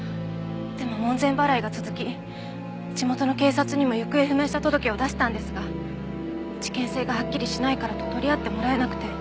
でも門前払いが続き地元の警察にも行方不明者届を出したんですが事件性がはっきりしないからと取り合ってもらえなくて。